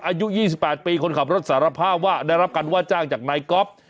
อายุ๒๘ปีคนขับรถสารภาพว่าได้รับการว่าจ้างจากนายก๊อฟ